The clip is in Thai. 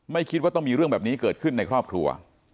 ไม่คิดว่าต้องมีเรื่องแบบนี้เกิดขึ้นในครอบครัว